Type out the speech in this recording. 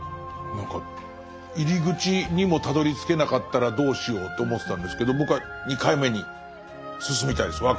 何か入り口にもたどりつけなかったらどうしようって思ってたんですけど僕は２回目に進みたいです。